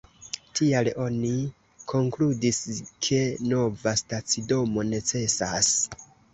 Tial oni konkludis ke nova stacidomo necesas.